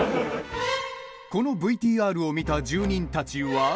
このＶＴＲを見た住人たちは。